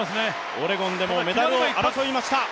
オレゴンでもメダルを争いました。